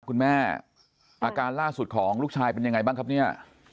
คุณแม่อาการล่าสุดของลูกชายเป็นยังไงบ้างครับเนี่ย